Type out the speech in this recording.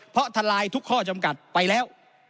เพราะทลายทุกข้อจำกัดไปแล้ว